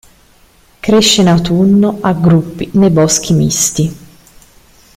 Cresce in autunno, a gruppi nei boschi misti.